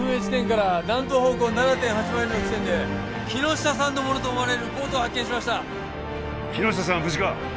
地点から南東方向に７．８マイルの地点で木下さんのものと思われるボートを発見しました木下さんは無事か？